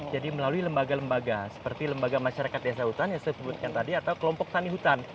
jadi melalui lembaga lembaga seperti lembaga masyarakat desa hutan yang saya sebutkan tadi atau kelompok tani hutan